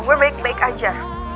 gue baik baik aja